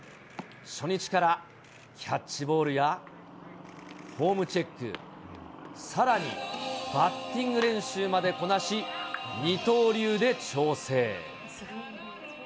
初日からキャッチボールやフォームチェック、さらにバッティング練習までこなし、二刀流で調整。